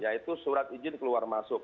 yaitu surat izin keluar masuk